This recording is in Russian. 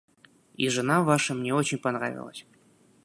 И жена Ваша мне очень понравилась.